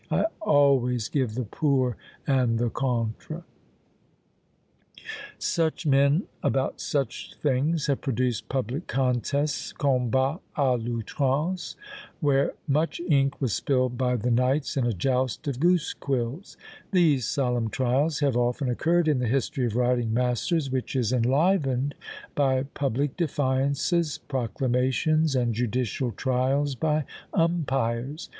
I always give the Pour and the Contre! Such men about such things have produced public contests, combats a l'outrance, where much ink was spilled by the knights in a joust of goose quills; these solemn trials have often occurred in the history of writing masters, which is enlivened by public defiances, proclamations, and judicial trials by umpires!